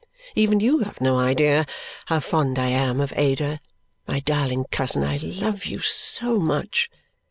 Even you have no idea how fond I am of Ada (my darling cousin, I love you, so much!)